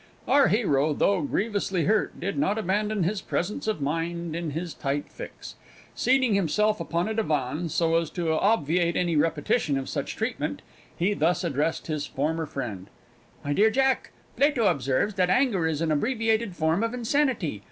Our hero, though grievously hurt, did not abandon his presence of mind in his tight fix. Seating himself upon a divan, so as to obviate any repetition of such treatment, he thus addressed his former friend: "My dear Jack, Plato observes that anger is an abbreviated form of insanity.